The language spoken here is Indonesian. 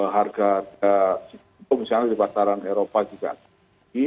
harga misalnya di pasaran eropa juga tinggi